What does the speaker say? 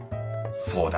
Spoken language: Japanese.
そうだ。